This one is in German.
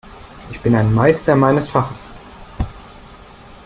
Ich bin ein Meister meines Faches.